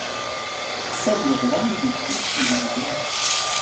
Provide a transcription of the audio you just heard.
Celle de Roye est détruite pendant la guerre.